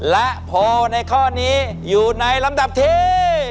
และโพลในข้อนี้อยู่ในลำดับที่